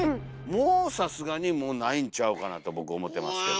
もうさすがにもうないんちゃうかなと僕思ってますけど。